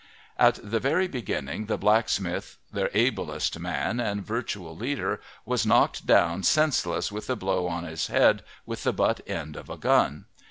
At the very beginning the blacksmith, their ablest man and virtual leader, was knocked down senseless with a blow on his head with the butt end of a gun.